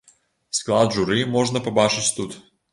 Склад журы можна пабачыць тут.